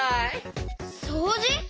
そうじ？